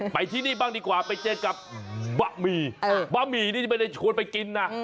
ไปที่นี่บ้างดีกว่าไปเจอกับบะหมี่บะหมี่นี่จะไม่ได้ชวนไปกินนะ